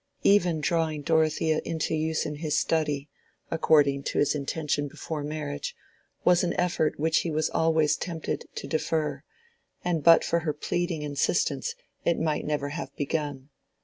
Even drawing Dorothea into use in his study, according to his own intention before marriage, was an effort which he was always tempted to defer, and but for her pleading insistence it might never have begun.